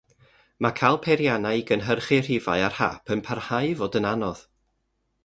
Mae cael peiriannau i gynhyrchu rhifau ar hap yn parhau i fod yn anodd.